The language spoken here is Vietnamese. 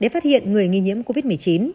hiện người nghi nhiễm covid một mươi chín